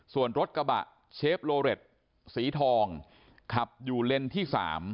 ส่วนรถกระบะเชฟโลเรตสีทองขับอยู่เลนส์ที่๓